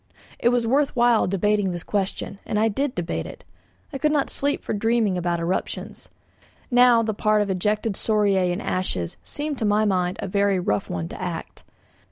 It was worth while debating this question, and I did debate it. I could not sleep for dreaming about eruptions. Now, the part of ejected scoriae and ashes seemed to my mind a very rough one to act.